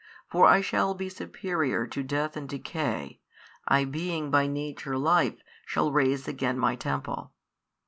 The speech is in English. For I shall be superior to death and decay, I being by Nature Life shall raise again My Temple.